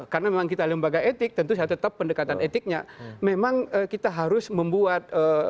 karena memang kita lembaga etik tentu capitop pendekatan etiknya memang kita harus membuat